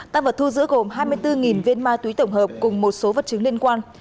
tăng vật thu giữ gồm hai mươi bốn viên ma túy tổng hợp cùng một số vật chứng liên quan